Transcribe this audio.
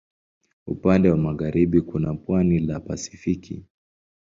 Upande wa magharibi kuna pwani la Pasifiki.